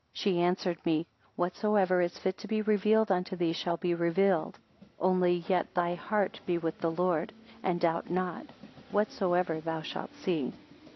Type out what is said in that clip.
40 She answered me, Whatsoever is fit to be revealed unto thee shall be revealed: only yet thy heart be with the Lord, and doubt not, whatsoever thou shalt see.